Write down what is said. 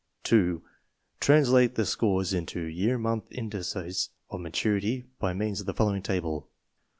II. Translate the scores into year month indices of maturity by means of the following table.